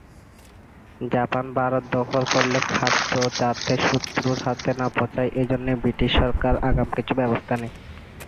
Japan Bharat দখল করলে খাদ্য যাতে শত্রুর হাতে না পৌঁছায়, এ জন্য ব্রিটিশ সরকার আগাম কিছু ব্যবস্থা নেয়।